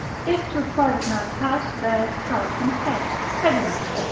if to a private man's house, there's cark and care, heaviness, &c.